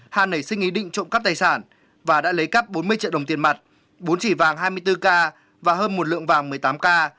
hàn nảy sinh ý định trộm cắp tài sản và đã lấy cắp bốn mươi triệu đồng tiền mặt bốn chỉ vàng hai mươi bốn k và hơn một lượng vàng một mươi tám k